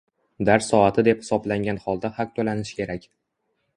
Dars soati deb hisoblangan holda haq toʻlanishi kerak.